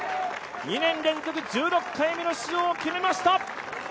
２年連続１６回目の出場を決めました